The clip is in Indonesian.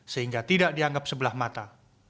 sehingga tidak dianggap sebelah mata